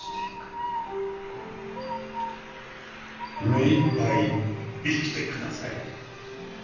目いっぱい生きてください！